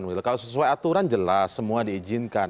kalau sesuai aturan jelas semua diizinkan